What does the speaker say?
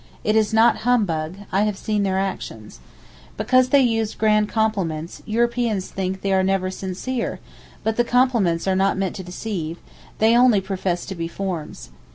It is not humbug; I have seen their actions. Because they use grand compliments, Europeans think they are never sincere, but the compliments are not meant to deceive, they only profess to be forms.